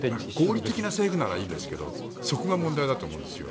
合理的な政府ならいいんですけどそこが問題だと思うんですよ。